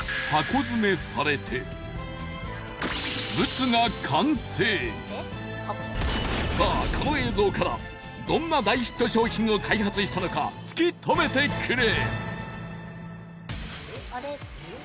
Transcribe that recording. その後そこからさぁこの映像からどんな大ヒット商品を開発したのか突き止めてくれ！